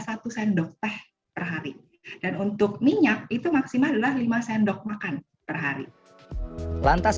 satu sendok teh perhari dan untuk minyak itu maksimal adalah lima sendok makan perhari lantas